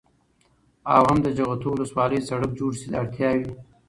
او هم د جغتو ولسوالۍ سړك جوړ شي. اړتياوې: